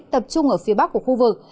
tập trung ở phía bắc của khu vực